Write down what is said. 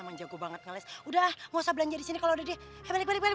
emang jago banget ngeles udah gak usah belanja disini kalau udah dia balik balik balik